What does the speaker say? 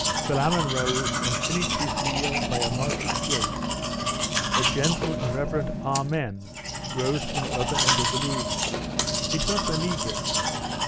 Philammon rose, and finished his meal by a monkish grace. A gentle and reverent 'Amen' rose from the other end of the room. It was the negress.